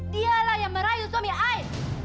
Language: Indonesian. dialah yang merayu suami ais